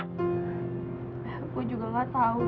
gue juga gak tau gak